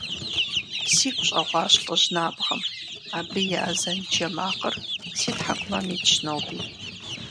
Сигу щӀэгъуащ лӀыжь набгъэм, абы и азэн джэ макъыр си тхьэкӀумэм итщ ноби…